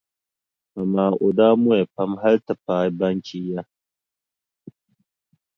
Amaa o daa mɔya pam hali ti paai Banchi ya.